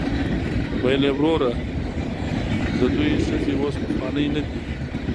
ویل یې وروره د دوی ښځې اوس پخوانۍ نه دي.